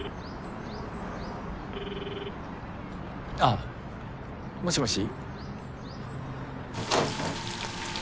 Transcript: あもしもし。